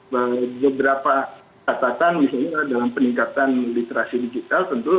beberapa catatan misalnya dalam peningkatan literasi digital tentu